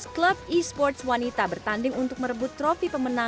enam belas klub esports wanita bertanding untuk merebut trofi pemenang pubg mobile ladies